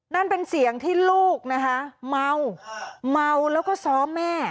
นั่นเป็นเสียงที่ลูกนะคะเมาเมาแล้วก็ซ้อมแม่